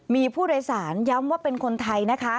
มีผู้โดยสารย้ำว่าเป็นคนไทยนะคะ